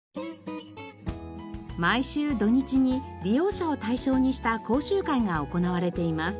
毎週土日に利用者を対象にした講習会が行われています。